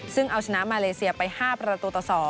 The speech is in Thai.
ซึ่งเอาชนะมาเลเซียไป๕ประตูต่อ๒